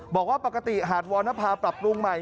บอกว่าปกติหาดวรรณภาปรับปรุงใหม่